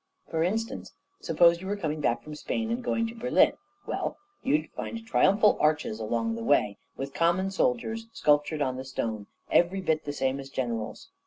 For instance, suppose you were coming back from Spain and going to Berlin well, you'd find triumphal arches along the way, with common soldiers sculptured on the stone, every bit the same as generals.